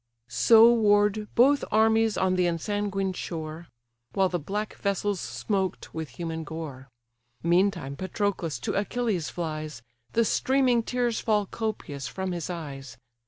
So warr'd both armies on the ensanguined shore, While the black vessels smoked with human gore. Meantime Patroclus to Achilles flies; The streaming tears fall copious from his eyes.